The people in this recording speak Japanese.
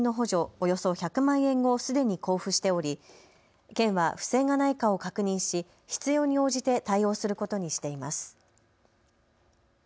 およそ１００万円をすでに交付しており県は不正がないかを確認し必要に応じて対応することにしています。